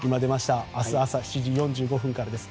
明日朝７時４５分からです。